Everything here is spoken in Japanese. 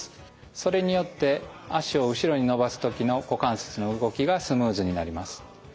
それによって脚を後ろに伸ばす時の股関節の動きがスムーズになります。